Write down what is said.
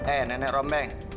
eh nenek rombeng